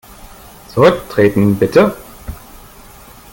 Zurücktreten, bitte!